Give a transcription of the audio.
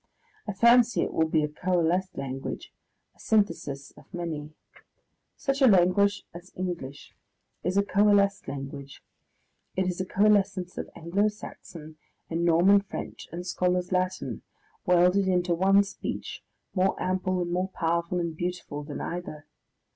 I fancy it will be a coalesced language, a synthesis of many. Such a language as English is a coalesced language; it is a coalescence of Anglo Saxon and Norman French and Scholar's Latin, welded into one speech more ample and more powerful and beautiful than either.